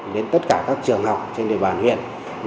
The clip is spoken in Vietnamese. đến tất cả các trường học trên địa bàn huyện